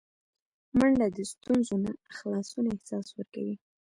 منډه د ستونزو نه خلاصون احساس ورکوي